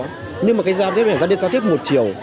nhưng mà cái giao tiếp này là giao tiếp một chiều